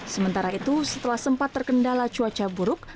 sementara itu setelah sempat terkendala cuaca buruk